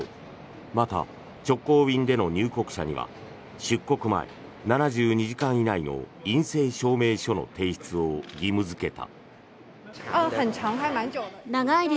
また、直行便での入国者には出国前７２時間以内の陰性証明書の提出を義務付けた。